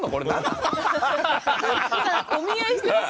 今お見合いしてます？